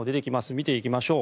見ていきましょう。